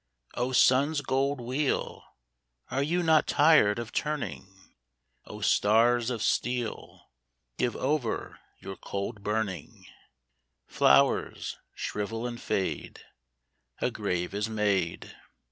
O Sun's gold wheel, Are you not tired of turning ? O stars of steel, Give over your cold burning ! Flowers, shrivel and fade, A grave is made.